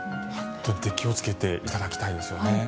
気をつけていただきたいですね。